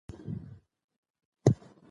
هدف یې د نړۍ د ژبو لپاره د ډیټابیس چمتو کول دي.